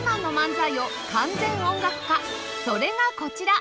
それがこちら